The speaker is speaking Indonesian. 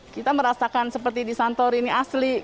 kita merasakan seperti di santorini asli